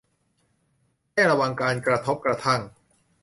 แค่ระวังการกระทบกระทั่ง